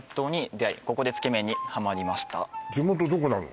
地元どこなの？